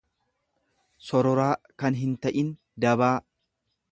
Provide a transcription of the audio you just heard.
sororaa kan hinta'in, dabaa.